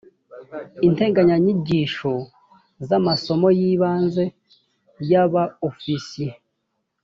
integanyanyigisho z amasomo y ibanze ya ba ofisiye